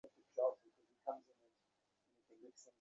হাতে সময় কম, আরেকদফা মারামারির প্রস্তুতি নিতে হবে।